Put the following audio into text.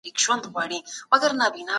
د موزيمونو رول څه دی؟